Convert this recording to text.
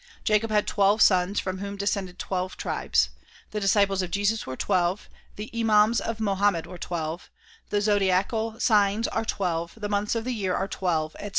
Jacob had twelve sons from whom descended twelve tribes. The disciples of Jesus were twelve; the 192 THE PROMULGATION OF UNIVERSAL PEACE imams of Mohammed were twelve. The zodiacal signs are twelve ; the months of the year are twelve, etc.